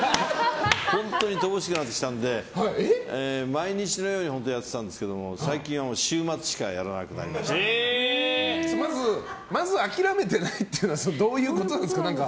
本当に乏しくなってきたので毎日のようにやってたんですけど最近はまず、諦めてないというのはどういうことなんですか？